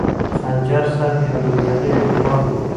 خنجر صاحب یو نومیالی لیکوال و.